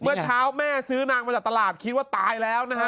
เมื่อเช้าแม่ซื้อนางมาจากตลาดคิดว่าตายแล้วนะฮะ